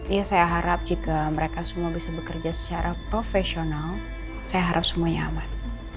iya saya harap jika mereka semua bisa bekerja secara profesional saya harap semuanya aman